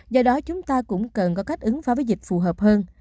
do đó chúng ta cũng cần có cách ứng phó với dịch phù hợp hơn